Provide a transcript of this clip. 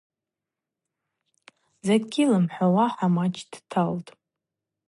Закӏгьи лымхӏвауа ахӏамач дталтӏ.